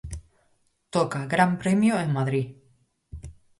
Toca Gran Premio en Madrid.